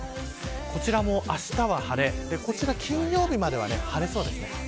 こちらもあしたは晴れ金曜日までは晴れそうです。